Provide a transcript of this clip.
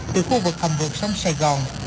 từ khu vực thầm vượt sông sài gòn